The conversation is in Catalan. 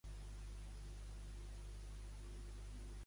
Quines altres evidència de que hi ha parts de l'illa inundades s'han trobat?